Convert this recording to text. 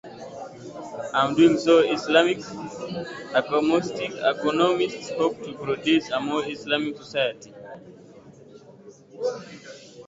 In doing so, Islamic economists hope to produce a more "Islamic society".